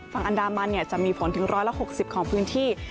ฝั่งอันดามันจะมีฝนถึงร้อยละ๖๐ของพื้นที่